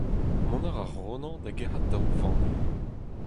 Mont a ra Ronan da gerc'hat daou vanne.